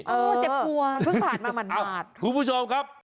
เจ็บปวดเพิ่งผ่านมาหมาดคุณผู้ชมครับ